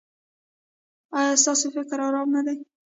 ایا ستاسو فکر ارام نه دی؟